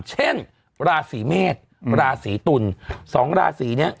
เช่นราศีเมษราศีตุลสองราศีเนี่ย